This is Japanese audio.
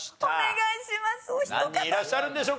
お願いします